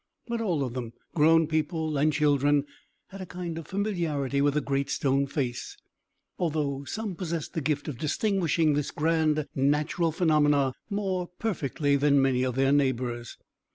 But all of them, grown people and children, had a kind of familiarity with the Great Stone Face, although some possessed the gift of distinguishing this grand natural phenomenon more perfectly than many of their neighbours.